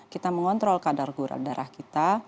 kita mengontrol kadar gula darah kita